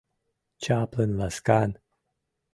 Чаплын, ласкан.